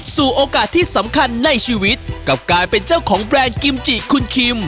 โอกาสที่สำคัญในชีวิตกับการเป็นเจ้าของแบรนด์กิมจิคุณคิม